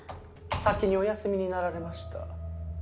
先にお休みになられました。